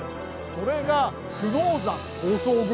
それが。